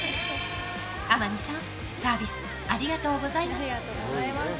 天海さん、サービスありがとうございます。